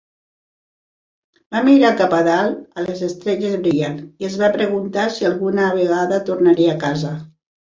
Va mirar cap a dalt, a les estrelles brillants, i es va preguntar si alguna vegada tornaria a casa.